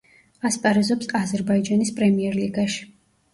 ასპარეზობს აზერბაიჯანის პრემიერლიგაში.